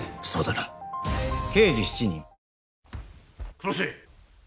黒瀬！